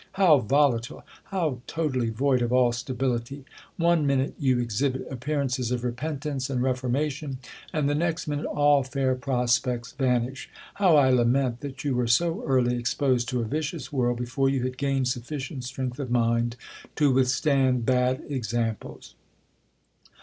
How volatile ! how totally void of all stability ! One miniite you ex hibit appearances of repentance and reforniation, and the next minute, all fair prospects vanish. How I la ment that you were so early exposed to a vicious world, before you had gained sufficient strength of mind to withstand bad examples